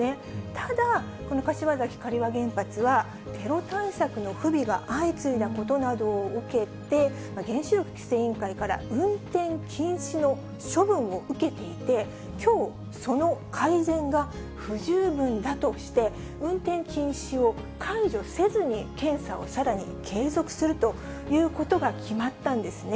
ただ、この柏崎刈羽原発は、テロ対策の不備が相次いだことなどを受けて、原子力規制委員会から運転禁止の処分を受けていて、きょう、その改善が不十分だとして、運転禁止を解除せずに、検査をさらに継続するということが決まったんですね。